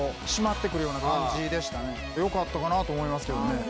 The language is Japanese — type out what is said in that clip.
その辺がよかったかなと思いますけどね